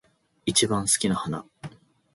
一番好きな花